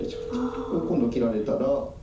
これ今度切られたら。